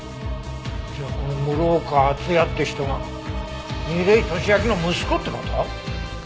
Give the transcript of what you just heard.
じゃあこの室岡厚也って人が楡井敏秋の息子って事？